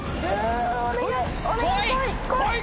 うお願い！